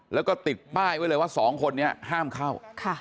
แล้วก็ติดป้ายไว้เลยว่าสองคนนี้ห้ามเข้า